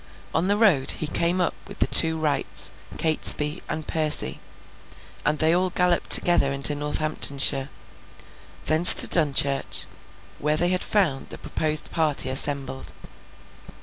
On the road, he came up with the two Wrights, Catesby, and Percy; and they all galloped together into Northamptonshire. Thence to Dunchurch, where they found the proposed party assembled.